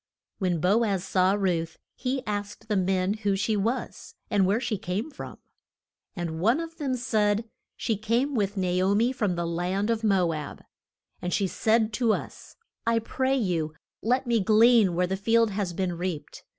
When Bo az saw Ruth he asked the men who she was, and where she came from. And one of them said, She came with Na o mi from the land of Mo ab. And she said to us, I pray you let me glean where the field has been reaped.